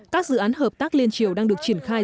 các dự án hợp tác liên triều đang được triển khai